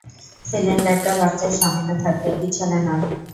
সিলিন্ডারটা বাচ্চার সামনে থাকবে, পিছনে নয়।